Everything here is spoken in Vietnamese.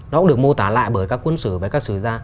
nó cũng được mô tả lại bởi các quân sử và các sử gia